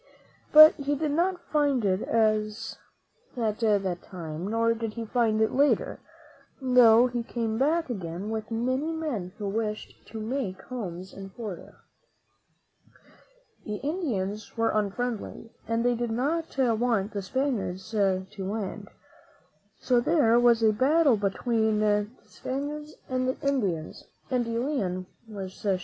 But he did not find it at that time, nor did he find it later, though he came back again, with many men who wished to make homes in Florida. The Indians were ^ 67 THE MEN WHO FOUND AMERICA very unfriendly; they did not want the Spaniards to land, so there was a battle between the Spaniards and the Indians and De Leon was shot.